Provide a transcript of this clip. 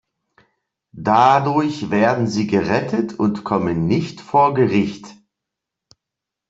Dadurch werden sie gerettet und kommen nicht vor Gericht.